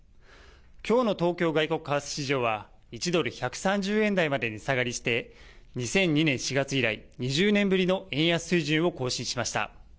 きょうの東京外国為替市場は、１ドル１３０円台まで値下がりして、２００２年４月以来、２０年ぶりの円安水準を更新しました。